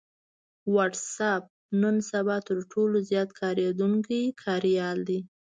وټس اېپ نن سبا تر ټولو زيات کارېدونکی کاريال دی